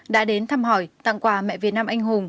đã đến thăm hỏi tặng quà mẹ việt nam anh hùng